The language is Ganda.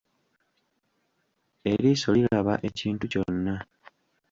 Eriiso liraba ekintu kyonna.